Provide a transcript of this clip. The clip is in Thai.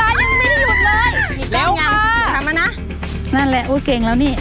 ลองเพื่อให้งัดขึ้นง่ายนี่ไงขึ้นแล้วค่ะเนี่ย